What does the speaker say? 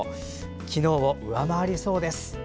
昨日を上回りそうです。